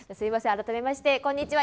改めましてこんにちは。